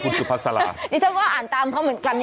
ช่วยเจียมช่วยเจียมช่วยเจียม